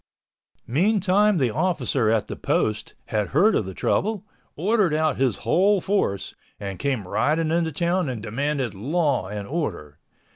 Meantime the officer at the Post had heard of the trouble, ordered out his whole force, and came riding into town and demanded law and order.